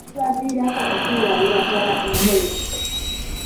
Kibaviirako okwewalira ddala enkola eno.